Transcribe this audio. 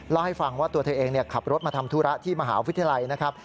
เล่าให้ฟังว่าตัวเธอเองขับรถมาทำธุระที่มหาวิทยาลัยนะครับ